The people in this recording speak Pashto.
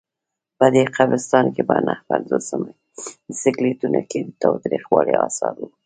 په دې قبرستان کې په نههپنځوس سکلیټونو کې د تاوتریخوالي آثار وو.